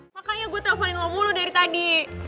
makanya gue telfonin lo mulu dari tadi